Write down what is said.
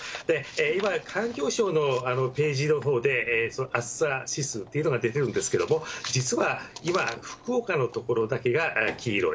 今、環境省のページのほうで、暑さ指数というのが出てるんですけれども、実は今、福岡の所だけが黄色い。